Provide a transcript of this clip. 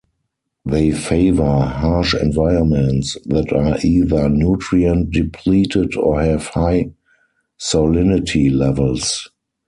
They favour harsh environments that are either nutrient-depleted or have high salinity levels.